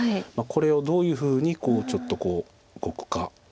これをどういうふうにちょっとこう動くか。